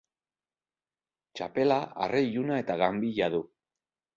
Txapela arre iluna eta ganbila du.